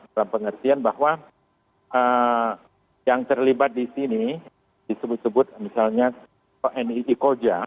dalam pengertian bahwa yang terlibat di sini disebut sebut misalnya nii koja